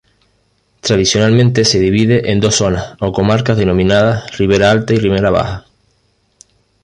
Tradicionalmente se divide en dos zonas o comarcas denominadas Ribera Alta y Ribera Baja.